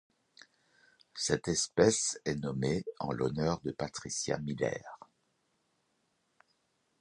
Cette espèce est nommée en l'honneur de Patricia Miller.